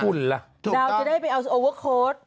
คุณล่ะถูกต้องดาวน์จะได้ไปเอาโอเวอร์โค้ด